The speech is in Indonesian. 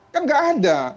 kan gak ada